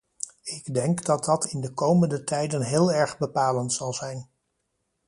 Ik denk dat dat in de komende tijden heel erg bepalend zal zijn.